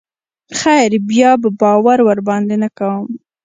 خير بيا به باور ورباندې نه کوم.